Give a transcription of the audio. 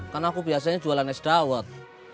karena aku biasanya jualan es dawet